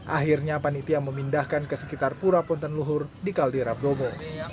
akhirnya panitia memindahkan ke sekitar pura ponten luhur di kaldera bromo